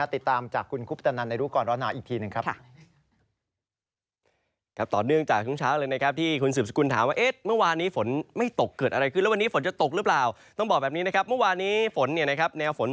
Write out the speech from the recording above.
ติดตามจากคุณกุ๊บตะนันในรวนร้อนาอีกทีหนึ่งครับ